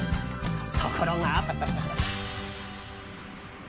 ところが。